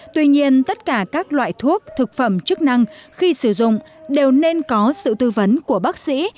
tuy nhiên tất cả các loại thuốc thực phẩm chức năng khi sử dụng đều nên có sự tư vấn của bác sĩ